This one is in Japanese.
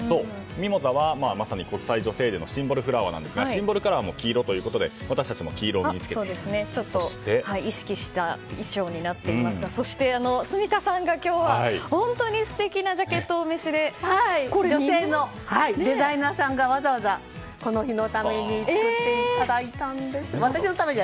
ミモザはまさに国際女性デーのシンボルフラワーなんですがシンボルカラーも黄色ということでちょっと、意識した衣装になっていますがそして、住田さんが今日は本当に素敵な女性のデザイナーさんがわざわざ、この日のために作っていただいたんです。